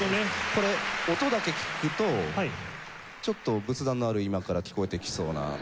これ音だけ聴くとちょっと仏壇のある居間から聴こえてきそうな。